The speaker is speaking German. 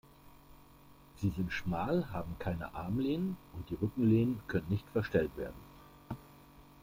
Sie sind schmal, haben keine Armlehnen und die Rückenlehnen können nicht verstellt werden.